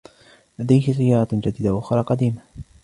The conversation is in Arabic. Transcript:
لديه سيارة جديدة و أخرى قديمة.